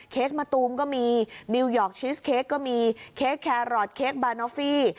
มะตูมก็มีนิวยอร์กชีสเค้กก็มีเค้กแครอทเค้กบานอฟฟี่